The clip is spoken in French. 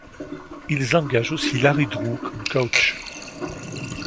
Ils engagent aussi Larry Drew comme coach.